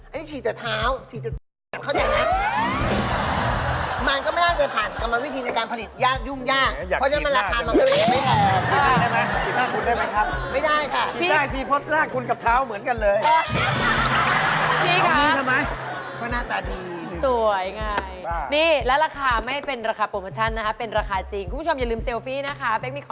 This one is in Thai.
อันนี้ฉีดแต่เท้าฉีดแต่